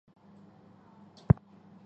不对人员采取隔离措施